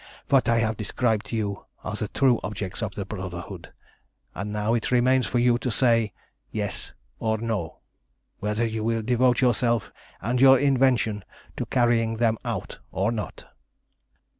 What I have described to you are the true objects of the Brotherhood; and now it remains for you to say, yes or no, whether you will devote yourself and your invention to carrying them out or not."